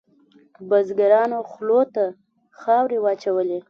بزګرانو خولو ته خاورې واچولې.